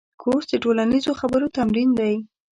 کورس د ټولنیزو خبرو تمرین دی.